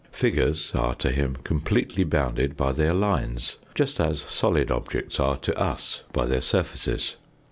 Figures are to him completely bounded by their lines, just as solid objects are to us by their surfaces.